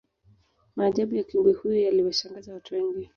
maajabu ya kiumbe huyo yaliwashangaza watu wengi